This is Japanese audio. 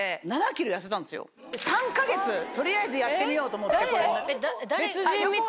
３か月取りあえずやってみようと思って。